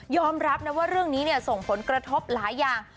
รับนะว่าเรื่องนี้ส่งผลกระทบหลายอย่าง